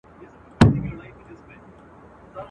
زه به نه یم ته به یې باغ به سمسور وي.